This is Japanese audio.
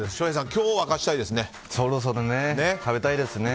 今日は勝ちたいですね。